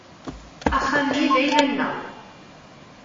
Axxam-nni d ayla-nneɣ.